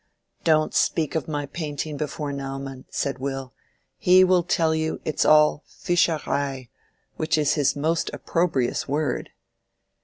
"Don't speak of my painting before Naumann," said Will. "He will tell you, it is all pfuscherei, which is his most opprobrious word!"